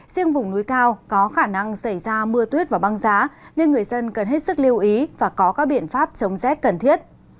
riêng vùng núi cao có khả năng xảy ra mưa tuyết và băng giá nên người dân cần hết sức lưu ý và có các biện pháp chống rét cần thiết